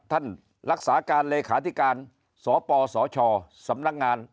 ท่านรักษาการเลขาธิการสปสชสำนักงาน